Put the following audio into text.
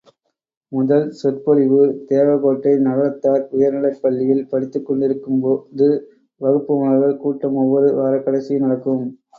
முதல் சொற்பொழிவு தேவகோட்டை நகரத்தார் உயர்நிலைப் பள்ளியில் படித்துக்கொண்டிருக்கும்போது வகுப்பு மாணவர்கள் கூட்டம் ஒவ்வொரு வாரக் கடைசியில் நடக்கும்.